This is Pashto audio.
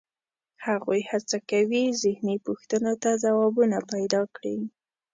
هغوی هڅه کوي ذهني پوښتنو ته ځوابونه پیدا کړي.